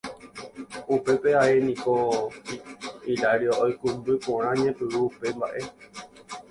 Upépe ae niko Hilario oikũmby porã ñepyrũ upe mba'e.